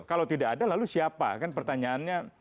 kalau tidak ada lalu siapa kan pertanyaannya